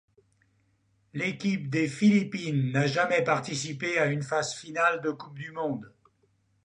L'équipe des Philippines n'a jamais participé à une phase finale de Coupe du monde.